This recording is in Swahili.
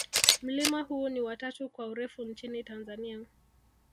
mlima huu ni wa tatu kwa urefu nchini tanzania